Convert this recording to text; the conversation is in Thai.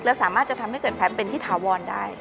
และสามารถทำให้เกิดแผลเป็นที่ทะวอนได้